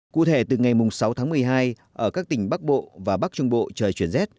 cụ thể từ ngày sáu tháng một mươi hai ở các tỉnh bắc bộ và bắc trung bộ trời chuyển rét